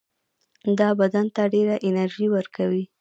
دا بدن ته ډېره انرژي ورکوي.